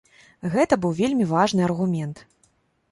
Гэта быў вельмі важны аргумент.